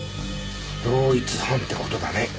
同一犯って事だね。